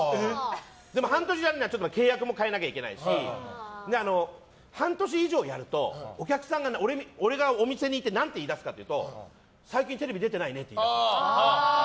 でも半年やるには契約も変えなきゃいけないし半年以上やるとお客さんが俺がお店にいて何て言い出すかっていうと最近テレビ出てないねって言い出すの。